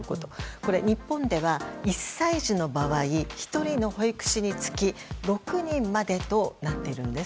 これ、日本では１歳児の場合１人の保育士につき６人までとなっているんです。